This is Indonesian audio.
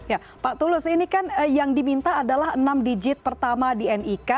ya pak tulus ini kan yang diminta adalah enam digit pertama di nik